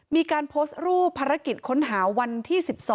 มีการโพสต์รูปภารกิจค้นหาวันที่๑๒